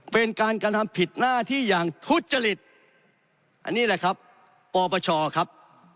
เป็นการกระทำผิดหน้าที่อย่างทุจริตอันนี้แหละครับปปชครับ